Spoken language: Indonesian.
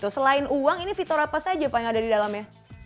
selain uang ini fitur apa saja pak yang ada di dalamnya